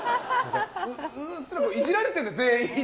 うっすらイジられてるんだよ。